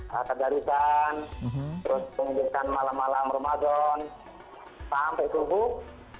kakak garisan terus penghubungkan malam malam ramadan sampai kumpul